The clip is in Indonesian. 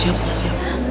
siap pak siap